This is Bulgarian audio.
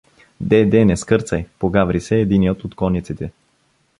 — Де, де, не скърцай — погаври се единият от конниците.